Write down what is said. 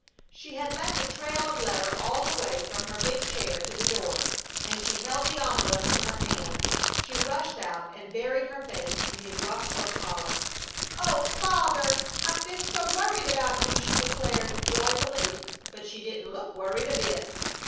She had left a trail of letter all the way from her big chair to the door, and she held the envelope in her hand. She rushed out and buried her face in his rough coat collar: "Oh, Father! I've been so worried about you!" she declared, joyfully, but she didn't look worried a bit.